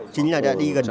chính là đã đi gần đây